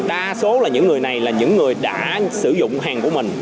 đa số là những người này là những người đã sử dụng hàng của mình